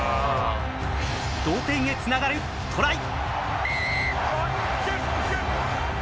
同点へつながるトライ。